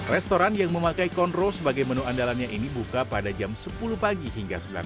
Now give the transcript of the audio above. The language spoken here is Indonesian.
restoran yang memakai kondro sebagai menu andalannya ini buka pada jam sepuluh pagi hingga sembilan malam